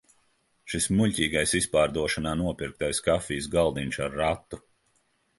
Šis muļķīgais izpārdošanā nopirktais kafijas galdiņš ar ratu!